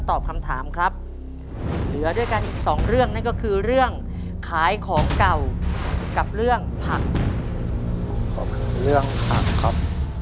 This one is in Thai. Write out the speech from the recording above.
ขอบคุณเรื่องผักครับ